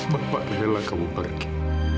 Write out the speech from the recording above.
bapak rela kamu pergi